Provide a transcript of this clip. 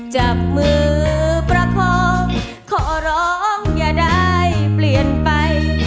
จับมือประคองขอร้องอย่าได้เปลี่ยนไป